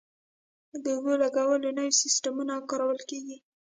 د اوبو لګولو نوي سیستمونه کارول کیږي.